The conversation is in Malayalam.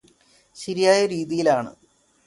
ശരിയായ രീതിയിലാണ്